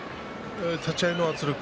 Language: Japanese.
立ち合いの圧力